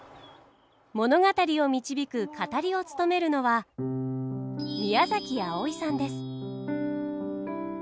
物語を導く語りを務めるのは宮あおいさんです。